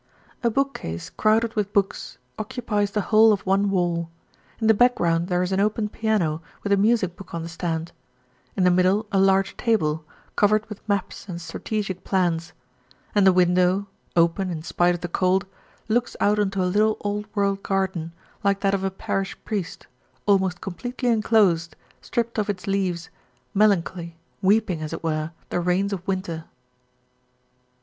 A bookcase crowded with books occupies the whole of one wall; in the background there is an open piano with a music book on the stand; in the middle a large table, covered with maps and strategic plans; and the window, open in spite of the cold, looks out on to a little old world garden, like that of a parish priest, almost completely enclosed, stripped of its leaves, melancholy, weeping, as it were, the rains of winter.